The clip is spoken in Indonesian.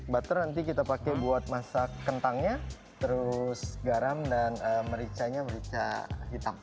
butter nanti kita pakai buat masak kentangnya terus garam dan mericanya merica hitam